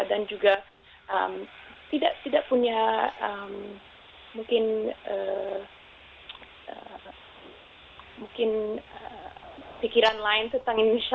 dan juga tidak punya mungkin pikiran lain tentang indonesia